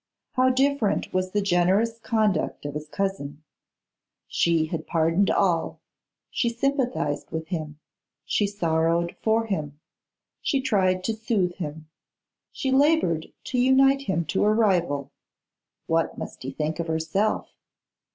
How different was the generous conduct of his cousin! She had pardoned all; she sympathised with him, she sorrowed for him, she tried to soothe him. She laboured to unite him to her rival. What must he think of herself?